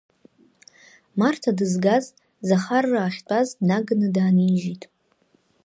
Марҭа дызгаз, Захарраа ахьтәаз, днаганы даанижьит.